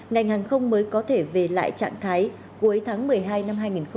ngành hàng không mới có thể về lại trạng thái cuối tháng một mươi hai năm hai nghìn hai mươi